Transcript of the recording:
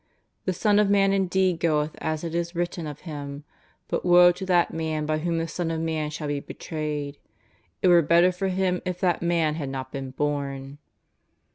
The Son of Man indeed goeth as it is written of Him, but woe to that man by whom the Son of Man shall be betrayed; it were better for him if that man had not been born.''